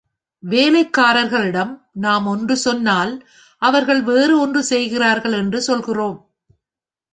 வேலைக்காரர்களிடம் நாம் ஒன்று சொன்னால் அவர்கள் வேறு ஒன்று செய்கிறார்கள் என்று சொல்கிறோம்.